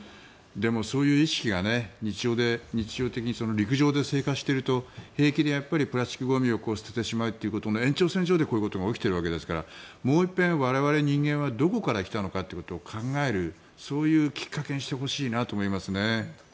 でも、そういう意識が日常的に陸上で生活していると平気でプラスチックゴミを捨ててしまうということの延長線上でこういうことが起きているわけですからもう一遍、我々人間はどこから来たのかってことを考えるそういうきっかけにしてほしいなと思います。